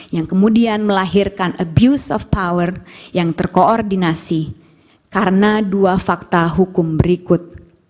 yang kemudian melahirkan abuse of power yang terkoordinasi karena dua fakta hukum berikut